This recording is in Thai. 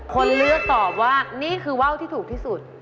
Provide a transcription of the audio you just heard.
คนเลือกตอบว่านี่คือว่าวที่ถูกที่สุด